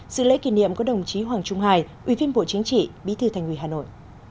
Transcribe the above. sự lễ kỷ niệm của đồng chí hoàng trung hải ubnd bí thư thành quỳ hà nội